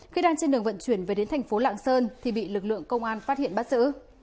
khi đang trên đường vận chuyển về đến thành phố lạng sơn thì bị lực lượng công an phát hiện bắt giữ